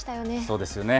そうですよね。